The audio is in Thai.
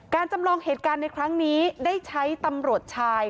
จำลองเหตุการณ์ในครั้งนี้ได้ใช้ตำรวจชาย